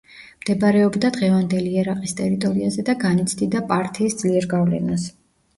მდებარეობდა დღევანდელი ერაყის ტერიტორიაზე და განიცდიდა პართიის ძლიერ გავლენას.